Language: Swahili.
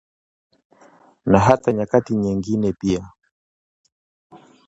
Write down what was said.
na hata nyakati nyengine pia